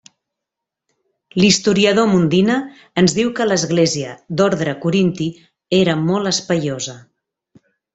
L'historiador Mundina ens diu que l'església, d'ordre corinti, era molt espaiosa.